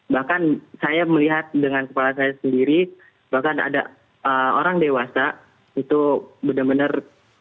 bahkan saya melihat dengan kepala saya sendiri bahkan ada orang dewasa itu benar benar